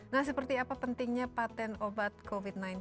nah seperti apa pentingnya patent obat covid sembilan belas